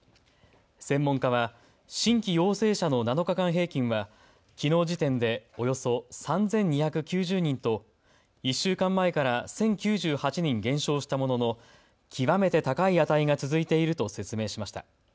専門家は新規陽性者の７日間平均はきのう時点でおよそ３２９０人と１週間前から１０９８人減少したものの極めて高い値が続いていると説明しました。